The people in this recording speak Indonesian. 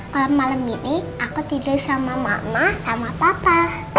kalau malam ini aku tidur sama makna sama papa